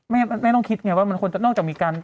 แม่แม่ต้องคิดไงว่ามันนอกจากมีการ